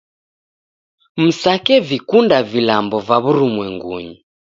Msake vikunda vilambo va w'urumwengunyi